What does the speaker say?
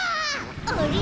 あれ？